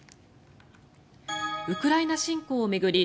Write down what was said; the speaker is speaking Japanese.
ウクライナ侵攻を巡り